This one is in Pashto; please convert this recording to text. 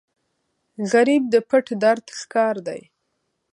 غریب د پټ درد ښکار دی